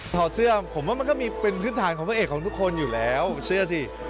ถอดเสื้อผมว่ามันก็มีเป็นพื้นฐานของพระเอกของทุกคนอยู่แล้วเชื่อสิ